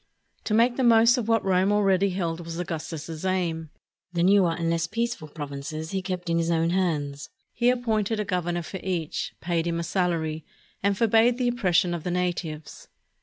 To make the most of what Rome already held was Augustus's aim. The newer and less peaceful provinces he kept in his own hands. He appointed a governor for each, paid him a salary, and forbade the oppression of the natives.